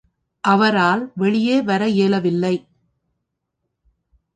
அவரால் வெளியே வர இயலவில்லை.